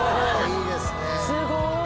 すごーい。